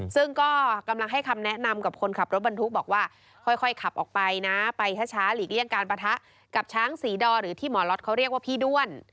ซึ่งก็กำลังให้คำแนะนำกับคนขับรถบรรทุกบอกว่าค่อยขับออกไปนะไปช้าหลีกเลี่ยงการปะทะกับช้างศรีดอหรือที่หมอล็อตเขาเรียกว่าพี่ด้วน